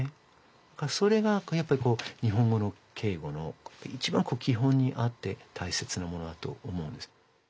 それがやっぱり日本語の敬語の一番き本にあってたいせつなものだと思うんです。